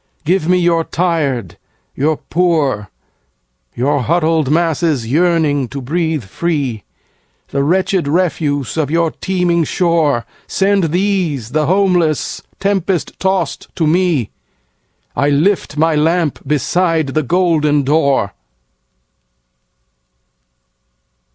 "Give me your tired, your poor, Your huddled masses yearning to breathe free, The wretched refuse of your teeming shore. Send these, the homeless, tempest tost to me,I lift my lamp beside the golden door!"